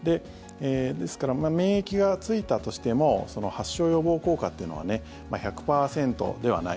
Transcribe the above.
ですから、免疫がついたとしても発症予防効果というのは１００％ではない。